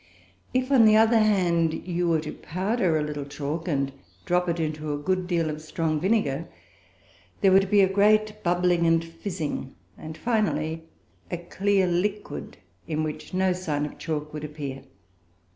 If, on the other hand, you were to powder a little chalk and drop it into a good deal of strong vinegar, there would be a great bubbling and fizzing, and, finally, a clear liquid, in which no sign of chalk would appear.